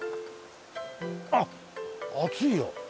あっ熱いよ！